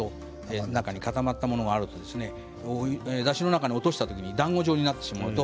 中に固まったものがあるとだしの中に落とした時にだんご状になってしまいます。